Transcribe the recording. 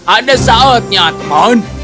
ada saatnya teman